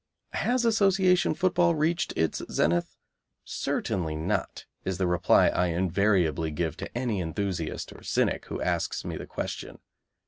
Has Association Football reached its zenith? "Certainly not," is the reply I invariably give to any enthusiast or cynic who asks me the question.